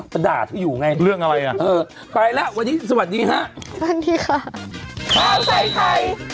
ใครอีกอ่ะเรื่องอะไรอ่ะเออไปแล้ววันนี้สวัสดีค่ะสวัสดีค่ะ